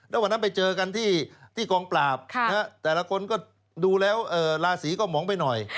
แล้ววันนั้นไปเจอกันที่กองปราบแต่ละคนก็ดูแล้วราศีก็หมองไปหน่อย